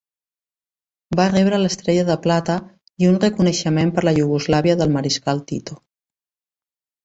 Va rebre l'Estrella de Plata i un reconeixement per la Iugoslàvia del Mariscal Tito.